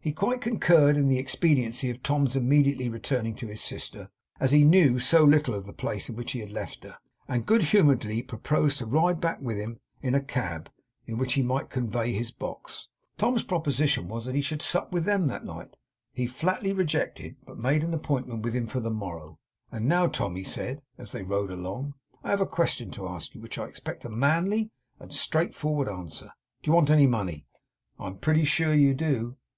He quite concurred in the expediency of Tom's immediately returning to his sister, as he knew so little of the place in which he had left her, and good humouredly proposed to ride back with him in a cab, in which he might convey his box. Tom's proposition that he should sup with them that night, he flatly rejected, but made an appointment with him for the morrow. 'And now Tom,' he said, as they rode along, 'I have a question to ask you to which I expect a manly and straightforward answer. Do you want any money? I am pretty sure you do.